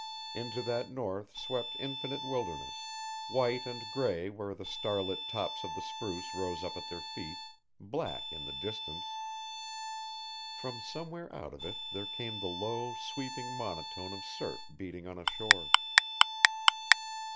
Into that north swept infinite wilderness, white and gray where the starlit tops of the spruce rose up at their feet, black in the distance. From somewhere out of it there came the low, weeping monotone of surf beating on a shore.